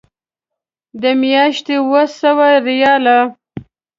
د میاشتې اوه سوه ریاله.